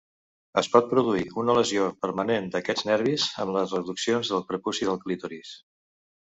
Es pot produir una lesió permanent d'aquests nervis amb les reduccions del prepuci del clítoris.